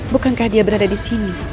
bukankah dia berada disini